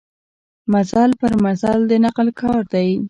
مزل پر مزل د نقل کار دی.